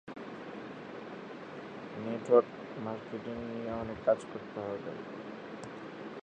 একটি রাউটার বিভিন্ন নেটওয়ার্কের দুই বা তার অধিক ডাটা লাইনের সাথে যুক্ত থাকে।